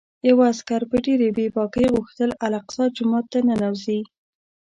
یوه عسکر په ډېرې بې باکۍ غوښتل الاقصی جومات ته ننوځي.